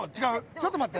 ちょっと待って。